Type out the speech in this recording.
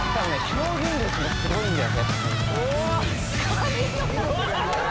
表現力がすごいんだよ